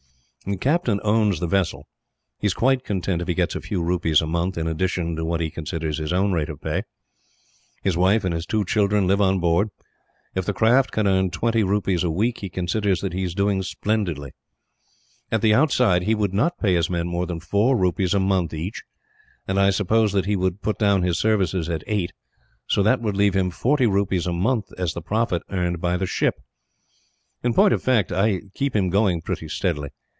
"The captain owns the vessel. He is quite content if he gets a few rupees a month, in addition to what he considers his own rate of pay. His wife and his two children live on board. If the craft can earn twenty rupees a week, he considers that he is doing splendidly. At the outside, he would not pay his men more than four rupees a month, each, and I suppose that he would put down his services at eight; so that would leave him forty rupees a month as the profit earned by the ship. "In point of fact, I keep him going pretty steadily.